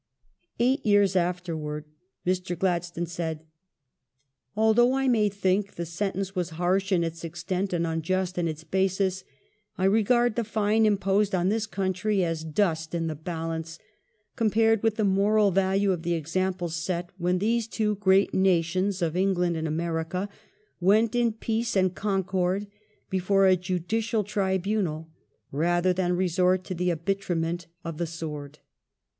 408. 1874] THE GENEVA AWARD 431 years afterwards Mr. Gladstone said: "Although I may think the sentence was harsh in its extent and unj ust in its basis, I re gard the fine imposed on this country as dust in the balance com pared with the moral value of the example set when these two great nations of England and America ... went in peace and concord before a judicial tribunal rather than resort to the arbitrament of the sword